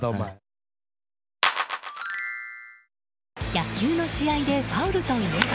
野球の試合でファウルといえば